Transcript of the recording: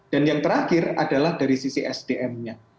dan yang terakhir adalah dari sisi sdm nya